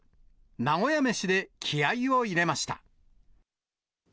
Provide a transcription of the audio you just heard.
名古屋めしで気合いを入れました。